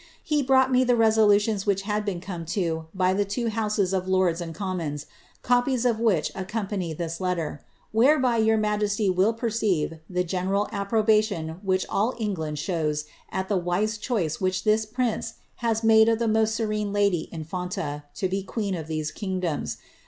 He brought me the resolutions which had been come to by he two houses of lords and commons, copies of which accompany this letter, whereby your majesty will perceive the general approbation which all England shows at the wise choice which this prince has made of the most aerene lady infanta, to be queen of these kingdoms.